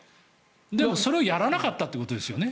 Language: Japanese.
でも、それをやらなかったということですよね？